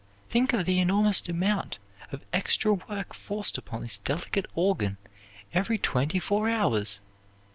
Think of the enormous amount of extra work forced upon this delicate organ every twenty four hours!